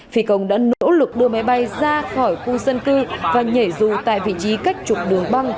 phi công đã nỗ lực đưa máy bay ra khỏi khu dân cư và nhảy dù tại vị trí cách trục đường băng